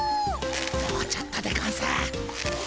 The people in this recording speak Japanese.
もうちょっとでゴンス。